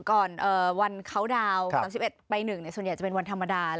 ก่อนวันเขาดาวน์๓๑ไป๑ส่วนใหญ่จะเป็นวันธรรมดา